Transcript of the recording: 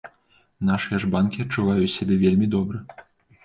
Нашыя ж банкі адчуваюць сябе вельмі добра.